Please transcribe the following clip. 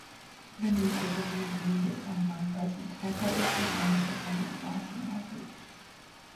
The newspaper maintained its online presence by publishing articles on its LiveJournal page.